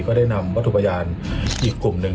ได้นำวัตถุพยานอีกกลุ่มหนึ่ง